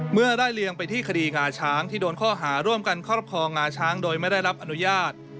ไล่เลียงไปที่คดีงาช้างที่โดนข้อหาร่วมกันครอบครองงาช้างโดยไม่ได้รับอนุญาต